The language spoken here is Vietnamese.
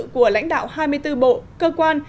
của lãnh đạo hai mươi bốn bộ cơ quan